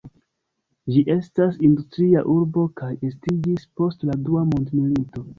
Ĝi estas industria urbo kaj estiĝis post la dua mondmilito.